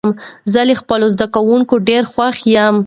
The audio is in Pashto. زه له خپلو زده کوونکو ډېر خوښ يم.